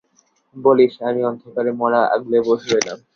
বলিস, আমি অন্ধকারে মড়া আগলে বসে রইলাম।